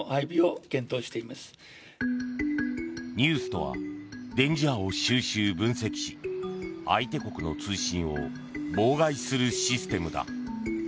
ＮＥＷＳとは電磁波を収集・分析し相手国の通信を妨害するシステムだ。